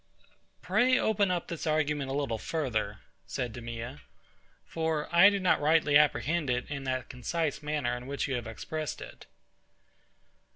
Pray open up this argument a little further, said DEMEA, for I do not rightly apprehend it in that concise manner in which you have expressed it.